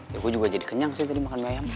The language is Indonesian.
ya gue juga jadi kenyang sih tadi makan bayang